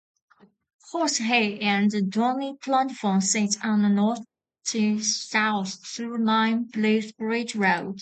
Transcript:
Horsehay and Dawley platform sits on a north-south through line, beneath Bridge Road.